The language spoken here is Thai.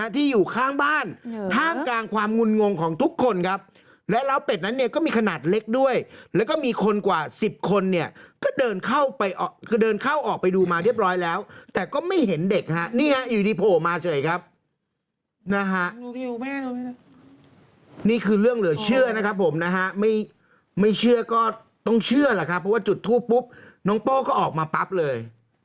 ที่อยู่ข้างบ้านท่ามกลางความงุนงงของทุกคนครับแล้วเป็ดนั้นเนี่ยก็มีขนาดเล็กด้วยแล้วก็มีคนกว่า๑๐คนเนี่ยก็เดินเข้าไปเดินเข้าออกไปดูมาเรียบร้อยแล้วแต่ก็ไม่เห็นเด็กฮะนี่ฮะอยู่ดีโผล่มาเฉยครับนะฮะนี่คือเรื่องเหลือเชื่อนะครับผมนะฮะไม่เชื่อก็ต้องเชื่อแหละครับเพราะว่าจุดทูปปุ๊บน้องโป้ก็ออกมาปั๊บเลย